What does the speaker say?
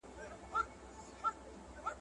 او تهذیب نخښي ګڼل کېدلې